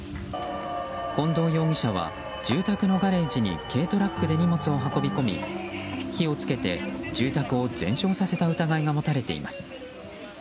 近藤容疑者は住宅のガレージに軽トラックで荷物を運び込み火を付けて、住宅を全焼させた疑いが持たれています。